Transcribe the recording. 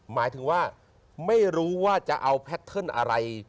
หมายถึงว่าไม่รู้ว่าจะเอาแพทเทิร์นอะไร